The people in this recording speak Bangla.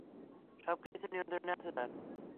সবকিছু নিয়ন্ত্রণে আছে, স্যার।